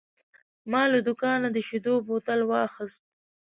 ما له دوکانه د شیدو بوتل واخیست.